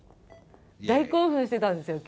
大興奮してたんですよ。